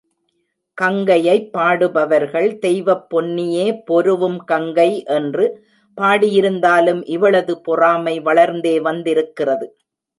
கங்கையைப் பாடுபவர்கள் தெய்வப் பொன்னியே பொருவும் கங்கை என்று பாடியிருந்தாலும், இவளது பொறாமை வளர்ந்தே வந்திருக்கிறது.